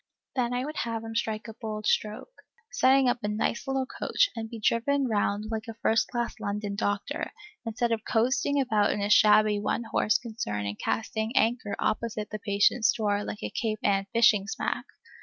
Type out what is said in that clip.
Then I would have him strike a bold stroke, set up a nice little coach, and be driven round like a first class London doctor, instead of coasting about in a shabby one horse concern and casting anchor opposite his patients' doors like a Cape Ann fishing smack.